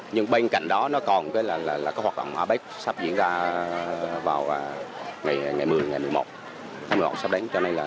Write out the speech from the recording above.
nhưng bên cạnh đó nó còn có hoạt động apec sắp diễn ra vào ngày một mươi ngày một mươi một